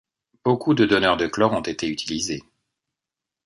Beaucoup de donneurs de chlore ont été utilisés.